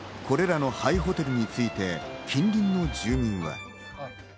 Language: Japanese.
これらの廃ホテルについて近隣の住民は。